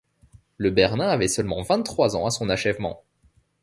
Le Bernin avait seulement vingt-trois ans à son achèvement.